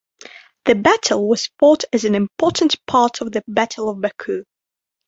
The battle was fought as an important part of the Battle of Baku.